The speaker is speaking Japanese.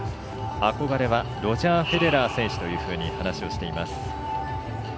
憧れはロジャー・フェデラー選手というふうに話をしています。